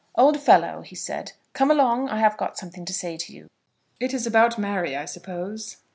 "Old fellow," he said, "come along, I have got something to say to you." "It is about Mary, I suppose?"